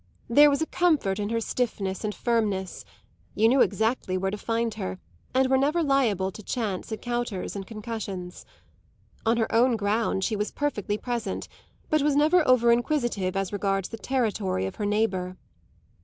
There was a comfort in her stiffness and firmness; you knew exactly where to find her and were never liable to chance encounters and concussions. On her own ground she was perfectly present, but was never over inquisitive as regards the territory of her neighbour.